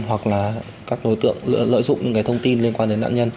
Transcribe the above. hoặc là các đối tượng lợi dụng những thông tin liên quan đến nạn nhân